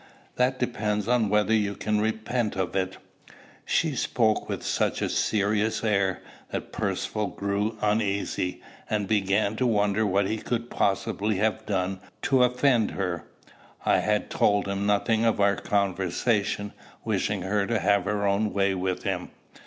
That depends on whether you can repent of it." She spoke with such a serious air, that Percivale grew uneasy, and began to wonder what he could possibly have done to offend her. I had told him nothing of our conversation, wishing her to have her own way with him.